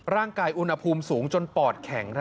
ร่างกายอุณหภูมิสูงจนปอดแข็ง